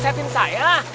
kamu asetin saya